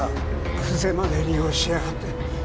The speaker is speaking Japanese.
久瀬まで利用しやがって。